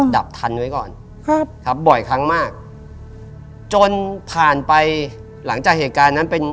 ดับทันไว้ก่อนครับครับบ่อยครั้งมากจนผ่านไปหลังจากเหตุการณ์นั้นเป็น